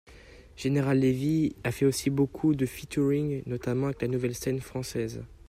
General Levy a fait aussi beaucoup de featuring, notamment avec la nouvelle scène française.